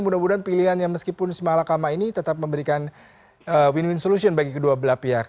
mudah mudahan pilihannya meskipun semalam lama ini tetap memberikan win win solution bagi kedua belah pihak